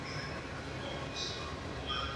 کار د انسان عزت، خپلواکي او مسؤلیت زیاتوي.